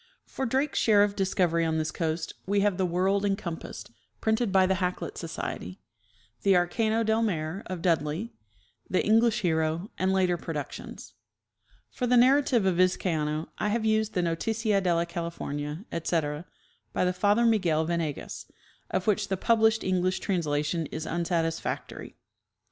For Drake's share of discovery on this coast we have " The World Encompassed," printed by the Hakluyt Society; the "Arcano del Mare," of Dudley; the "English Hero," and later productions. For the narrative of Vizcaino I have used the " Noticia de la California," etc, by the Father Miguel Venegas, of which the published English translation is unsatisfactory.